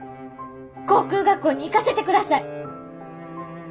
航空学校に行かせてください。